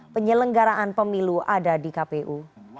penyelenggaraan pemilu ada di kpu